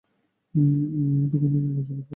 এতে কোন লজ্জা বোধ করত না।